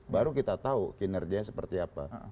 baru kita tahu kinerjanya seperti apa